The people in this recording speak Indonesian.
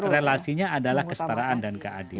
relasinya adalah kestaraan dan keadilan